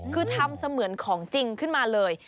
คือทำเสมือนของจริงขึ้นมาเลย